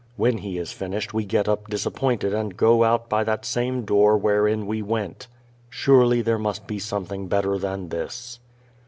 When he is finished we get up disappointed and go out "by that same door where in we went." Surely there must be something better than this.